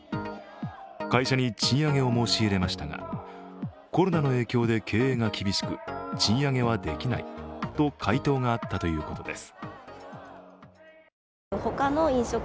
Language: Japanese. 会社に賃上げを申し入れましたがコロナの影響で経営が厳しく賃上げはできないと回答があったということです。